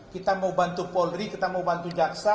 kita mau bantu polri kita mau bantu jaksa